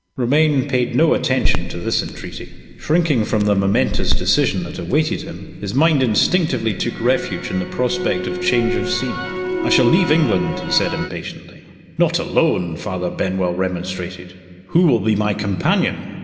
Romayne paid no attention to this entreaty. Shrinking from the momentous decision that awaited him, his mind instinctively took refuge in the prospect of change of scene. "I shall leave England," he said, impatiently. "Not alone!" Father Benwell remonstrated. "Who will be my companion?"